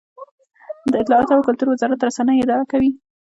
د اطلاعاتو او کلتور وزارت رسنۍ اداره کوي